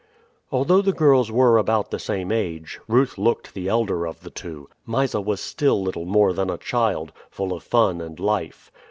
Although the girls were about the same age, Ruth looked the elder of the two. Mysa was still little more than a child, full of fun and life.